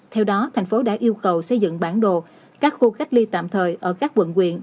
theo đó thành phố đã yêu cầu xây dựng bản đồ các khu cách ly tạm thời ở các quận quyện